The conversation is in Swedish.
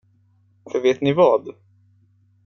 För vet ni vad?